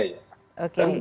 saya mengucapkan maaf